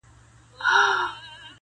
خو د غوجلې ځای لا هم چوپ او خالي دی,